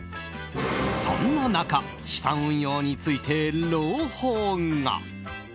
そんな中資産運用について朗報が。